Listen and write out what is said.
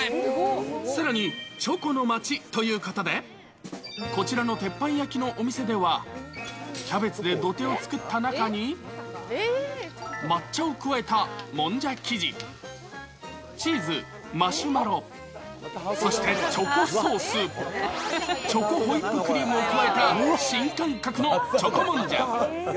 さらに、チョコの街ということで、こちらの鉄板焼きのお店では、キャベツで土手を作った中に、抹茶を加えたもんじゃ生地、チーズ、マシュマロ、そしてチョコソース、チョコホイップクリームを加えた、新感覚のチョコもんじゃ。